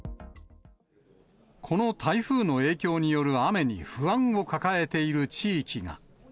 この台風の影響による雨に不安を抱えている地域が。